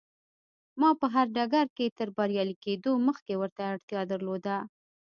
ما په هر ډګر کې تر بريالي کېدو مخکې ورته اړتيا درلوده.